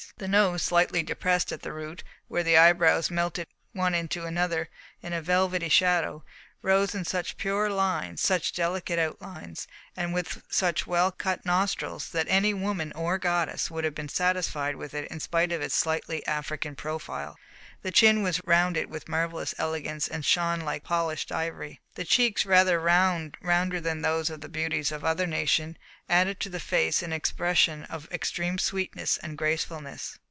The nose, slightly depressed at the root, where the eyebrows melted one into another in a velvety shadow, rose in such pure lines, such delicate outlines, and with such well cut nostrils that any woman or goddess would have been satisfied with it in spite of its slightly African profile. The chin was rounded with marvellous elegance and shone like polished ivory. The cheeks, rather rounder than those of the beauties of other nations, added to the face an expression of extreme sweetness and gracefulness.